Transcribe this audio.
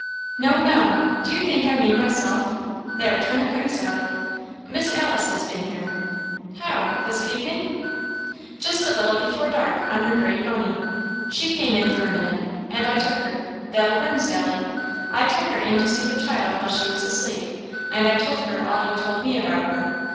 "No, no; do you think I mean myself? there, turn it quick, Sally! Miss Alice has been here." "How? this evening?" "Just a little before dark, on her gray pony. She came in for a minute, and I took her that'll burn, Sally! I took her in to see the child while she was asleep, and I told her all you told me about her.